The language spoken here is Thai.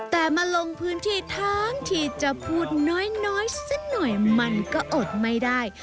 แต่มาลงพื้นที่ทั้งที่จะพูดน้อยสักหน่อยมันก็อดไม่ได้